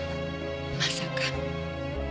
まさか。